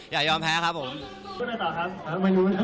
อย่ายอมแพ้ครับผม